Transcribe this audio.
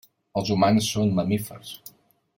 Els humans són mamífers.